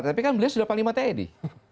tapi kan beliau sudah paling mati aja di